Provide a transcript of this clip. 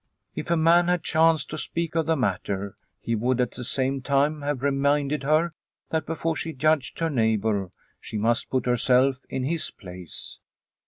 If a man had chanced to speak of the matter he would at the same time have reminded her that before she judged her neighbour she must put herself in his place.